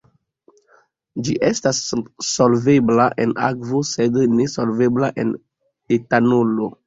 Ĝi estas solvebla en akvo, sed nesolvebla en etanolo.